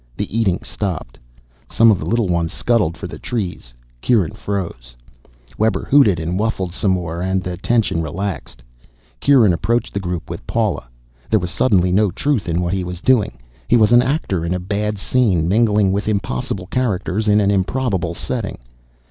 The eating stopped. Some of the little ones scuttled for the trees. Kieran froze. Webber hooted and whuffled some more and the tension relaxed. Kieran approached the group with Paula. There was suddenly no truth in what he was doing. He was an actor in a bad scene, mingling with impossible characters in an improbable setting.